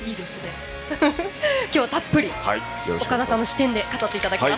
今日、たっぷり岡田さんの視点で語っていただきます。